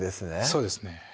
そうですね